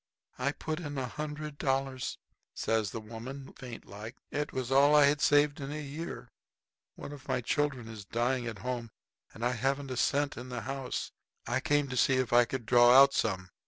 "I put in a hundred dollars," says the woman, faint like. "It was all I had saved in a year. One of my children is dying at home now and I haven't a cent in the house. I came to see if I could draw out some.